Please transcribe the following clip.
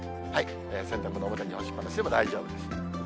洗濯物、表に干しっぱなしでも大丈夫です。